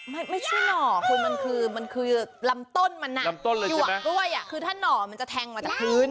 มันไม่ใช่หน่อมันคือลำต้นมันหยวกด้วยคือถ้าหน่อมันจะแทงมาจากพื้น